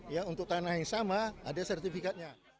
ya untuk tanah yang sama ada sertifikatnya